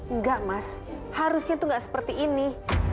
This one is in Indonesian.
enggak mas harusnya itu nggak seperti ini